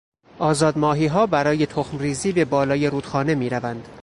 آزاد ماهیها برای تخم ریزی به بالای رود خانه میروند.